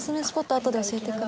あとで教えてください